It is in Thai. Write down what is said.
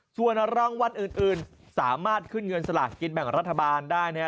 ส่วนรางวัลอื่นสามารถขึ้นเงินสลากกินแบ่งรัฐบาลได้นะครับ